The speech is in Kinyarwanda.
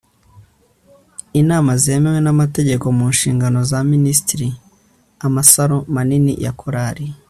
inama zemewe n'amategeko mu nshingano za minisitiri. amasaro manini ya korali